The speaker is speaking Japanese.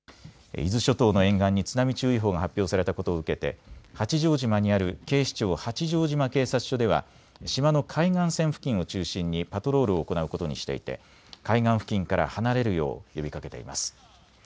伊豆諸島の沿岸に津波注意報が発表されたことを受けて八丈島にある警視庁八丈島警察署では島の海岸線付近を中心にパトロールを行うことにしていて海岸付近から離れるよう呼びかけています。